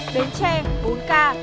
bến tre bốn ca